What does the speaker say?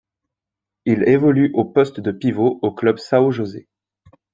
Il évolue au poste de pivot au club São José.